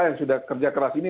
yang sudah kerja keras ini